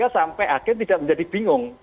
sampai agen tidak menjadi bingung